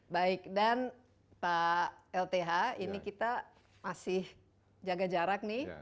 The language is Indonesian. baik dan pak lth ini kita masih jaga jarak nih